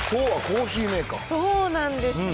そうなんですよ。